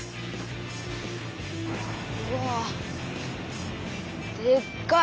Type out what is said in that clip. うわでっかい。